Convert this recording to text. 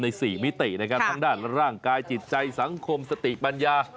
ในสี่มิติในการทำด้านร่างกายจิตใจสังคมสติปัญญา